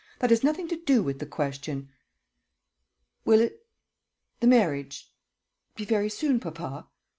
That has nothing to do with the question." "Will it the marriage be very soon, papa?"